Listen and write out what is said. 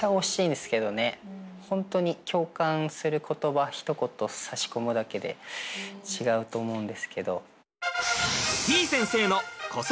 本当に共感する言葉ひと言差し込むだけで違うと思うんですけど。